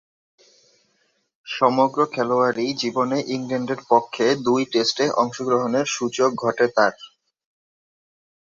সমগ্র খেলোয়াড়ী জীবনে ইংল্যান্ডের পক্ষে দুই টেস্টে অংশগ্রহণের সুযোগ ঘটে তার।